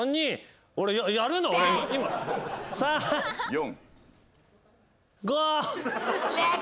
４。